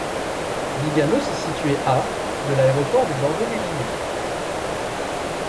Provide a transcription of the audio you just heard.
Biganos est située à de l'aéroport de Bordeaux-Mérignac.